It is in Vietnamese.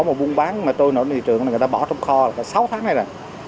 có một buôn bán mà trôi nổi thị trường là người ta bỏ trong kho là cả sáu tháng nay rồi